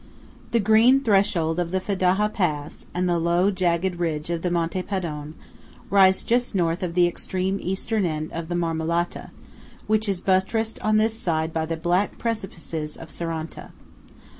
The green threshold of the Fedaja pass, and the low jagged ridge of Monte Padon, rise just North of the extreme Eastern end of the Marmolata, which is buttressed on this side by the black precipices of Seranta.